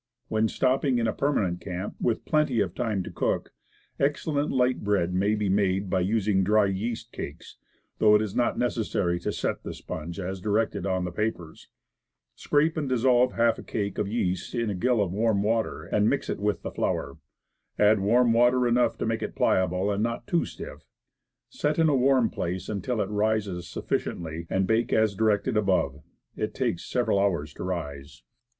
When stopping in a permanent camp with plenty of time to cook, excellent light bread may be made by using National yeast cakes, though it is not neces sary to "set" the sponge as directed on the papers. Scrape and dissolve half a cake of the yeast in a gill of warm water, and mix it with the flour. Add warm water enough to make it pliable, and not too stiff; set in a warm place until it rises sufficiently, and bake as directed above. It takes several hours to rise.